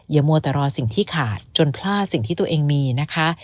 มัวแต่รอสิ่งที่ขาดจนพลาดสิ่งที่ตัวเองมีนะคะ